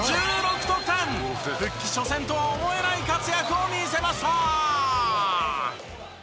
復帰初戦とは思えない活躍を見せました！